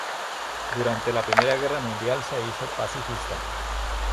Durante la Primera Guerra Mundial se hizo pacifista.